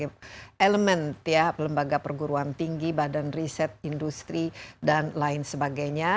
berbagai elemen ya lembaga perguruan tinggi badan riset industri dan lain sebagainya